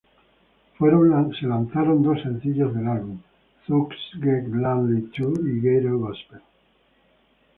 Fueron lanzados dos sencillos del álbum, "Thugs Get Lonely Too" y "Ghetto Gospel".